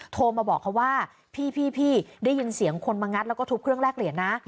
โทรมาบอกเขาว่าพี่ได้ยินเสียงคนมางัดแล้วก็ทุบเครื่องแรกเหรียญนะ